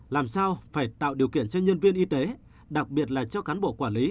làm sao phải tạo điều kiện cho nhân viên y tế đặc biệt là cho cán bộ quản lý